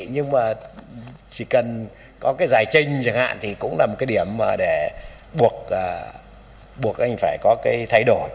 nhưng mà chỉ cần có cái giải trình chẳng hạn thì cũng là một cái điểm mà để buộc anh phải có cái thay đổi